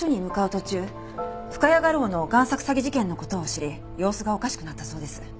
途中深谷画廊の贋作詐欺事件の事を知り様子がおかしくなったそうです。